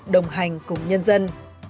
đồng hành cùng nhân dân